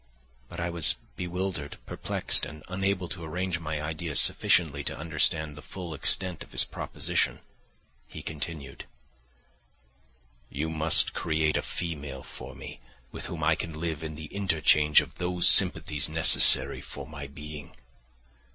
But I was bewildered, perplexed, and unable to arrange my ideas sufficiently to understand the full extent of his proposition. He continued, "You must create a female for me with whom I can live in the interchange of those sympathies necessary for my being.